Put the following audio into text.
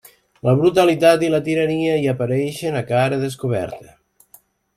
La brutalitat i la tirania hi apareixen a cara descoberta.